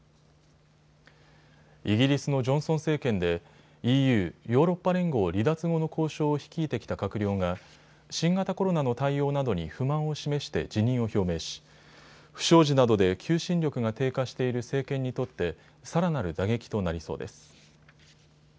イギリスのジョンソン政権でＥＵ・ヨーロッパ連合離脱後の交渉を率いてきた閣僚が新型コロナの対応などに不満を示して辞任を表明し不祥事などで求心力が低下している政権にとってさらなる打撃となりそうです。